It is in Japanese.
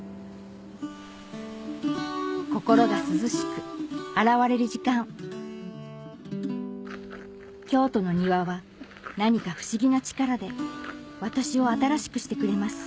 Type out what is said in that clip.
心が涼しく洗われる時間京都の庭は何か不思議な力で私を新しくしてくれます